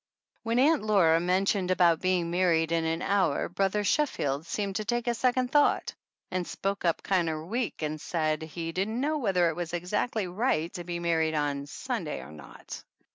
When Aunt Laura mentioned about being married in an hour Brother Sheffield seemed to take a second thought, and spoke up kinder weak and said he didn't know whether it was exactly right to be married on Sunday or not.